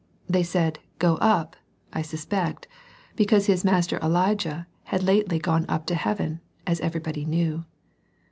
— They said, "Go up," I suspect, because his master Elijah had lately gone up to heaven, as everybody knew.